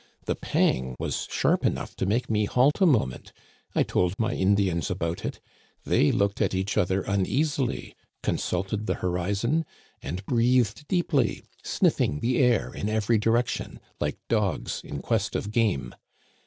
The pang was sharp enough to make me halt a moment. I told my Indians about it. They looked at each other uneasily, consulted the horizon, and breathed deeply, sniflSng the air in every direction, like dogs in quest of game.